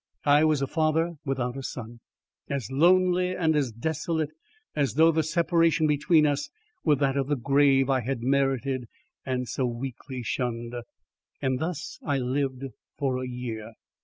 I was a father without a son as lonely and as desolate as though the separation between us were that of the grave I had merited and so weakly shunned. And thus I lived for a year.